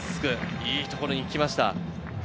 いいところに行きました。